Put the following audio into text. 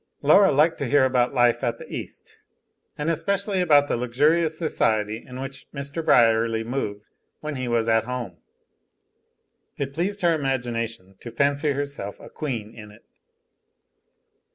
Laura liked to hear about life at the east, and especially about the luxurious society in which Mr. Brierly moved when he was at home. It pleased her imagination to fancy herself a queen in it.